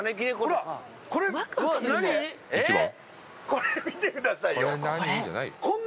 これ見てくださいよ。